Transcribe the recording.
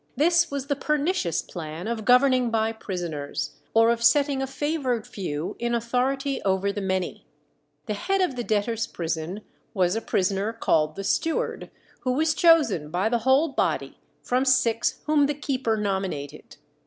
This was the pernicious plan of governing by prisoners, or of setting a favoured few in authority over the many. The head of the debtors' prison was a prisoner called the steward, who was chosen by the whole body from six whom the keeper nominated.